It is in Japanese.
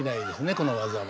この技は。